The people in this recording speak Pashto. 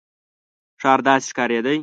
ښار داسې ښکارېده.